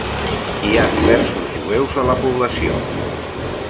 Hi ha diversos jueus a la població.